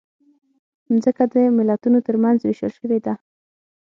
مځکه د ملتونو ترمنځ وېشل شوې ده.